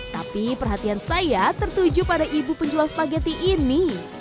tapi perhatian saya tertuju pada ibu penjual spageti ini